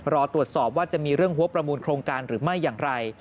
รอตรวจสอบว่าจะมีเรื่องหัวประมูลโครงการหรือไม่อย่างไร